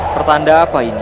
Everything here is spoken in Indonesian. pertanda apa ini